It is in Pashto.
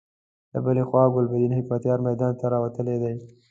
له بلې خوا ګلبدين حکمتیار میدان ته راوتلی دی.